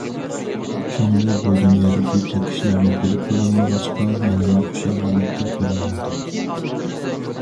كۆڭلى بۇ دۇنيادىكى جىق ئىشلارنى بىلىپ بولالمىغاچقا يەنىلا خۇشال ھالەتتە تۇرالايدۇ.